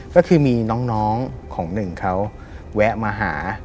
ก็คือมีน้องของหนึ่งเขาแวะมาหา